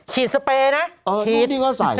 ฉีดสเปรย์นะฉีด